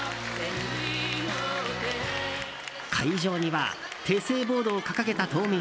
会場には手製ボードを掲げた島民